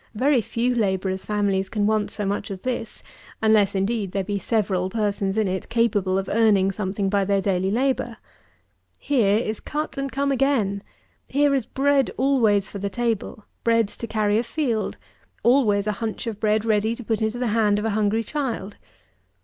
Very few labourers' families can want so much as this, unless indeed there be several persons in it capable of earning something by their daily labour. Here is cut and come again. Here is bread always for the table. Bread to carry a field; always a hunch of bread ready to put into the hand of a hungry child.